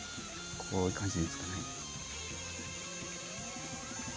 こういう感じでいいんですかね。